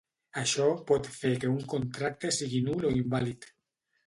Això pot fer que un contracte sigui nul o invàlid.